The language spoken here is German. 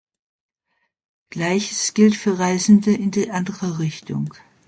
Gleiches gilt für Reisende in die andere Richtung.